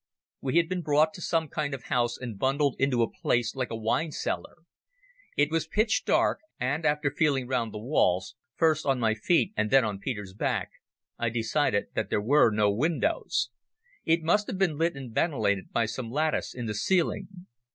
We had been brought to some kind of house and bundled into a place like a wine cellar. It was pitch dark, and after feeling round the walls, first on my feet and then on Peter's back, I decided that there were no windows. It must have been lit and ventilated by some lattice in the ceiling.